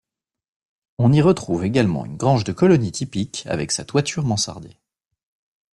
On y retrouve également une grange de colonie typique avec sa toiture mansardée.